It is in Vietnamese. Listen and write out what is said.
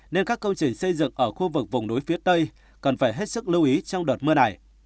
nên các công trình xây dựng ở khu vực vùng núi phía tây cần phải hết sức lưu ý trong đợt mưa này